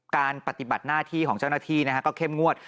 ปฏิบัติหน้าที่ของเจ้าหน้าที่ก็เข้มงวด